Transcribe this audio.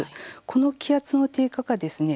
この気圧の低下がですね